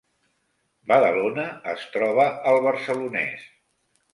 Badalona es troba al Barcelonès